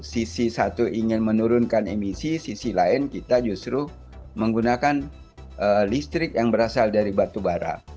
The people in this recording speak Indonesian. sisi satu ingin menurunkan emisi sisi lain kita justru menggunakan listrik yang berasal dari batu bara